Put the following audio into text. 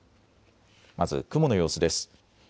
まず雲の様子です。